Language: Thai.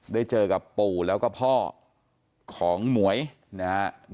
ได้เจอกับปู่แล้วก็พ่อของหมวยนะครับ